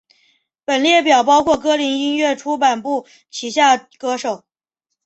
本列表包括歌林音乐出版部旗下歌手。